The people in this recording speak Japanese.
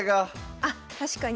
あっ確かに。